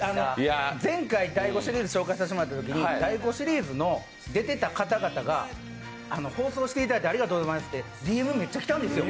前回、第５シリーズを紹介させてもらったときに、第５シリーズの出てた方々から放送していただいてありがとうございますってＤＭ、めっちゃ来たんですよ。